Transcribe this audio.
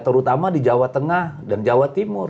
terutama di jawa tengah dan jawa timur